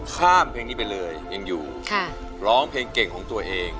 ข้ามเพลงนี้ไปเลยยังอยู่ร้องเพลงเก่งของตัวเอง